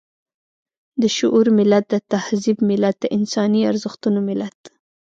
د شعور ملت، د تهذيب ملت، د انساني ارزښتونو ملت.